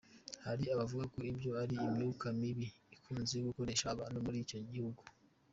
Hari abavuga ko ibyo ari imyuka mibi ikunze gukoresha abantu muri icyo gihugu.